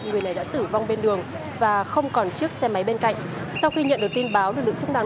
người này đã tử vong bên đường và không còn chiếc xe máy bên cạnh sau khi nhận được tin báo lực lượng chức năng